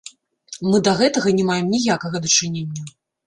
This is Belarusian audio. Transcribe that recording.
Мы да гэтага не маем ніякага дачынення.